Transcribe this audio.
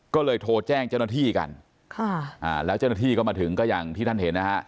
ก็เลยโทรแจ้งเจ้าหน้าที่กันค่ะอ่าแล้วเจ้าหน้าที่ก็มาถึงก็อย่างที่ท่านเห็นนะฮะ